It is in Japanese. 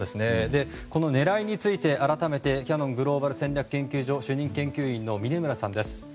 この狙いについて、改めてキヤノングローバル戦略研究所の峯村さんです。